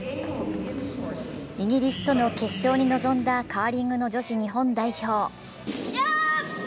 イギリスとの決勝に臨んだカーリングの女子日本代表。